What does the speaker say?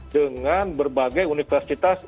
dengan berbagai universitas